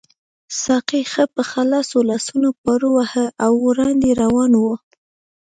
ساقي ښه په خلاصو لاسونو پارو واهه او وړاندې روان وو.